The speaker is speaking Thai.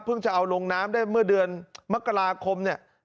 เพิ่งจะเอาลงน้ำได้เมื่อเดือนมกราคม